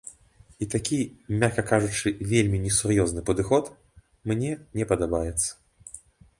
І такі, мякка кажучы, вельмі несур'ёзны падыход мне не падабаецца.